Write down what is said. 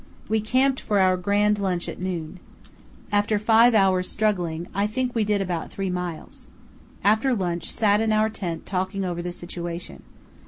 We camped for our grand lunch at noon. After five hours' struggling I think we did about three miles. After lunch sat in our tent talking over the situation.